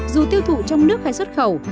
dù tiêu thụ trong nước hay xuất khẩu